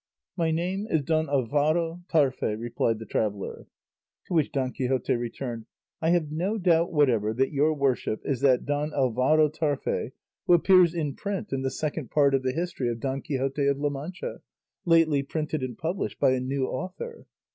"My name is Don Alvaro Tarfe," replied the traveller. To which Don Quixote returned, "I have no doubt whatever that your worship is that Don Alvaro Tarfe who appears in print in the Second Part of the history of Don Quixote of La Mancha, lately printed and published by a new author."